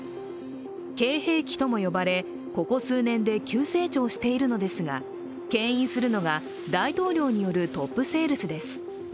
Ｋ兵器とも呼ばれ、ここ数年で急成長しているのですが、けん引するのが大統領によるトップセールスです。